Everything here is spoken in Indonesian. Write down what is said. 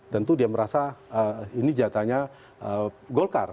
tentu dia merasa ini jatahnya golkar